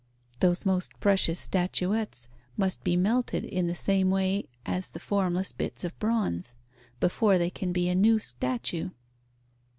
Those most precious statuettes must be melted in the same way as the formless bits of bronze, before there can be a new statue.